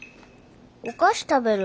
お菓子食べる。